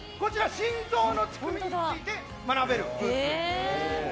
心臓の仕組みについて学べるブース。